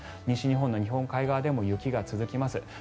西日本の日本海側でも雪が続きます。